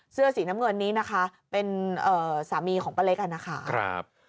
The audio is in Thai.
เสื้อสีน้ำเงินนี้นะคะเป็นสามีของป้าเล็กอ่ะนะคะ